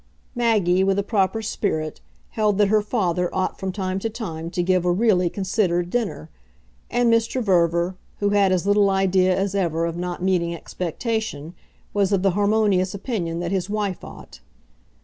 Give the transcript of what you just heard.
Maggie, with a proper spirit, held that her father ought from time to time to give a really considered dinner, and Mr. Verver, who had as little idea as ever of not meeting expectation, was of the harmonious opinion that his wife ought.